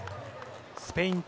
スペイン対